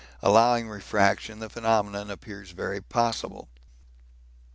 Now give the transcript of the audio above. Allowing refraction the phenomenon appears very possible.